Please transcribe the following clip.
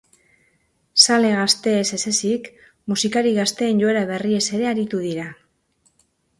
Zale gazteez ezezik, musikari gazteen joera berriez ere aritu dira.